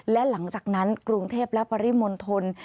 และหลังจากนั้นกรุงเทพและปริมณฑล